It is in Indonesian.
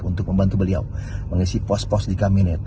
untuk membantu beliau mengisi pos pos di kabinet